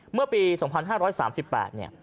เมื่อปี๒๕๓๘เนี่ย